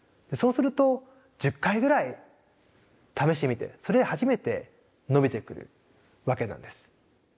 そうすると１０回ぐらい試してみてそれで初めて伸びてくるわけなんです。